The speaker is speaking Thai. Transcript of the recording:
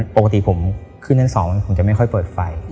ปกติผมขึ้นชั้น๒ผมจะไม่ค่อยเปิดไฟ